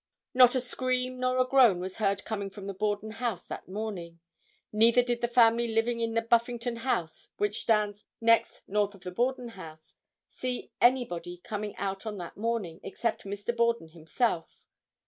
Not a scream nor a groan was heard coming from the Borden house that morning; neither did the family living in the Buffington house which stands next north of the Borden house, see anybody coming out on that morning except Mr. Borden himself.